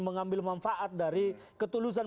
mengambil manfaat dari ketulusan